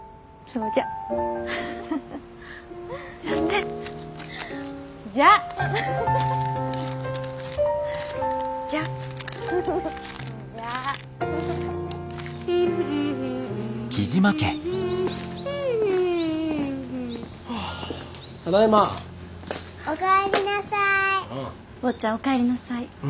坊ちゃんお帰りなさい。